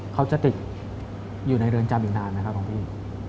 เขาจะติดอยู่ในเรือนจำอีกนานไหมครับของพี่